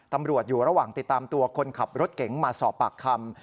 ตำรวจอยู่ระหว่างติดตามตัวคนขับรถเก๋งมาสอบปากคำ